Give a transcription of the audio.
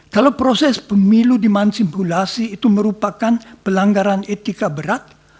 kalau proses pemilu dimansimulasi itu merupakan pelanggaran etika berat